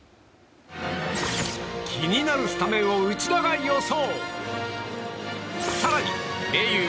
気になるスタメンを内田が予想。